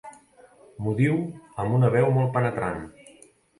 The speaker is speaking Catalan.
M'ho diu amb una veu molt penetrant.